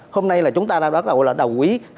hôm nay chúng ta đã đồng ý